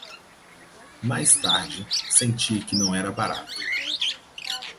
Mais tarde, senti que não era barato.